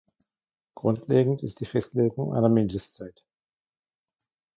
Grundlegend ist die Festlegung einer Mindestzeit.